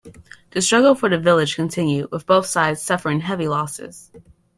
The struggle for the village continued, with both sides suffering heavy losses.